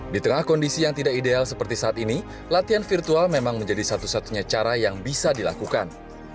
di tengah kondisi yang tidak ideal seperti saat ini latihan virtual memang menjadi satu satunya cara yang bisa dilakukan